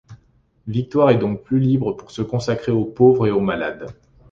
Victoire est donc plus libre pour se consacrer aux pauvres et aux maladesg.